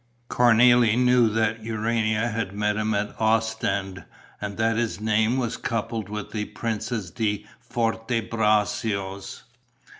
Cornélie knew that Urania had met him at Ostend and that his name was coupled with the Princess di Forte Braccio's.